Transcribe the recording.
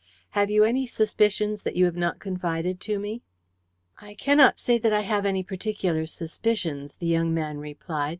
Have you any suspicions that you have not confided to me?" "I cannot say that I have any particular suspicions," the young man replied.